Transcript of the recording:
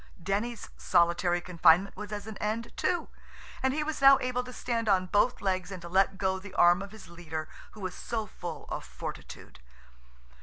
Denny's solitary confinement was at an end, too–and he was now able to stand on both legs and to let go the arm of his leader who was so full of fortitude.